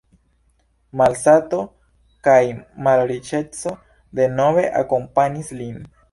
Malsato kaj malriĉeco denove akompanis lin.